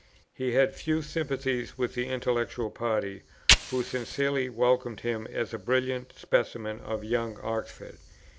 He had few sympathies with the intellectual party, who sincerely welcomed him as a brilliant specimen of young Oxford.